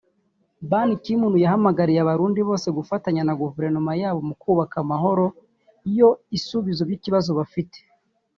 Ban Ki-moon yahamagariye abarundi bose gufatanya na guverinoma yabo mu kubaka amahoro yo isubizo cy’ibibazo bafite